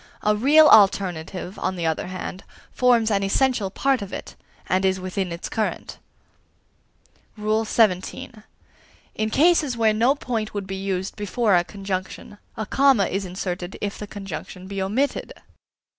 A real alternative, on the other hand, forms an essential part of it, and is within its current. XVII. In cases where no point would be used before a conjunction, a comma is inserted if the conjunction be omitted.